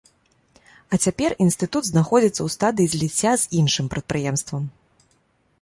А цяпер інстытут знаходзіцца ў стадыі зліцця з іншым прадпрыемствам.